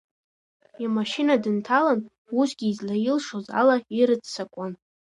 Имашьына дынҭалан, усгьы излаилшоз ала ирццакуан.